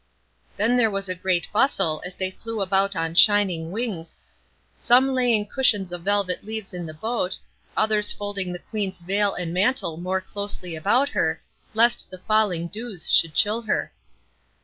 Then there was a great bustle, as they flew about on shining wings, some laying cushions of violet leaves in the boat, others folding the Queen's veil and mantle more closely round her, lest the falling dews should chill her.